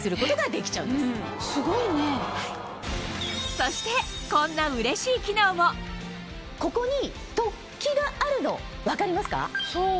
そしてこんなここに突起があるの分かりますか？